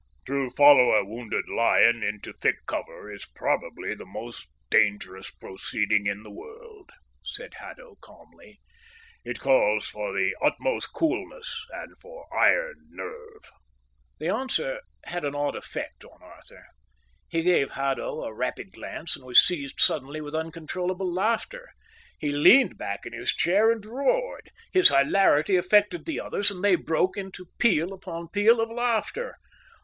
"To follow a wounded lion into thick cover is probably the most dangerous proceeding in the world," said Haddo calmly. "It calls for the utmost coolness and for iron nerve." The answer had an odd effect on Arthur. He gave Haddo a rapid glance, and was seized suddenly with uncontrollable laughter. He leaned back in his chair and roared. His hilarity affected the others, and they broke into peal upon peal of laughter.